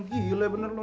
gila ya bener loh